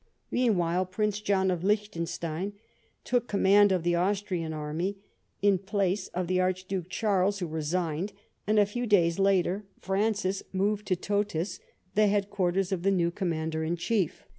Meanwhile Prince John of THE WAR OF 1809. 53 Liechtenstein took command of the Austrian army, in place of the Archduke Charles who resigned, and, a few days later, Francis moved to Totis, the headquarters of the new Coumiander in chief.